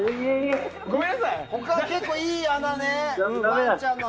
他、結構いい穴が。